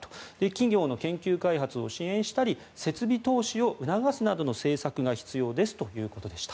企業の研究開発を支援したり設備投資を促すなどの政策が必要ですということでした。